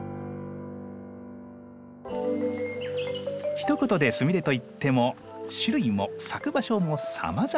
ひと言でスミレといっても種類も咲く場所もさまざま。